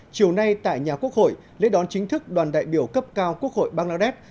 chiều nay tại nhà quốc hội lễ đón chính thức đoàn đại biểu cấp cao quốc hội bangladesh